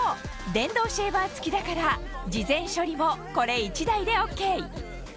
電動シェーバー付きだから事前処理もこれ１台でＯＫ！